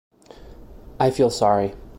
I feel sorry.